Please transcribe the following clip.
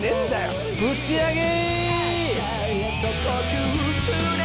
ぶち上げ！